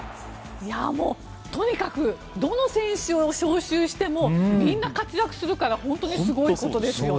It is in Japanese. もう、とにかくどの選手を招集してもみんな活躍するから本当にすごいことですよね。